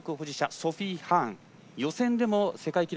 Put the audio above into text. ソフィー・ハーン、予選でも世界記録